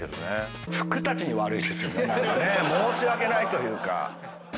申し訳ないというか。